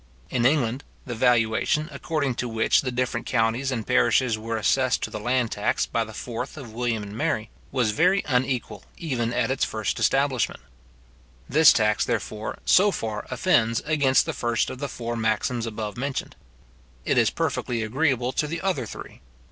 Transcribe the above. In England, the valuation, according to which the different counties and parishes were assessed to the land tax by the 4th of William and Mary, was very unequal even at its first establishment. This tax, therefore, so far offends against the first of the four maxims above mentioned. It is perfectly agreeable to the other three.